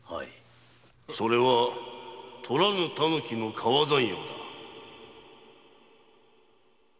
・それは「とらぬタヌキの皮算用」だ